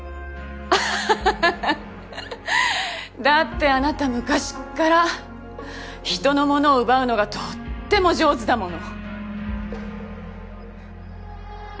アハハハだってあなた昔から人の物を奪うのがとっても上手だもの。